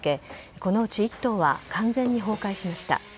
このうち１棟は完全に崩壊しました。